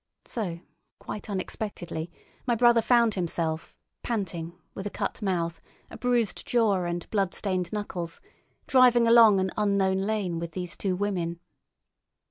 So, quite unexpectedly, my brother found himself, panting, with a cut mouth, a bruised jaw, and bloodstained knuckles, driving along an unknown lane with these two women.